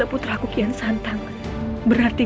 shandiqa gusana prabu